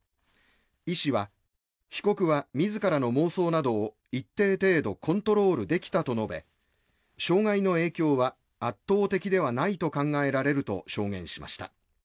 医師は被告は自らの妄想などを一定程度コントロールできたと述べ障害の影響は圧倒的ではないと考えられると証言しました。